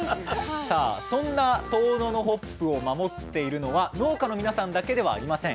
そんな遠野のホップを守っているのは農家の皆さんだけではありません。